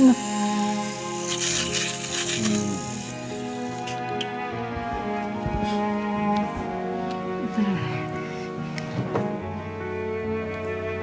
kamu tau kenapa gue gak suka